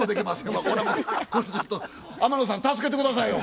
天野さん助けて下さいよ。